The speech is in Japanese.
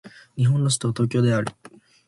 日本の首都は東京である